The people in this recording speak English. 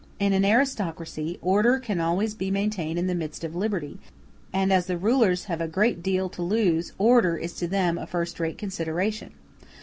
In an aristocracy order can always be maintained in the midst of liberty, and as the rulers have a great deal to lose order is to them a first rate consideration.